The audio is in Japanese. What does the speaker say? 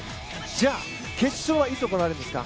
じゃあ、決勝はいつ行われるんですか。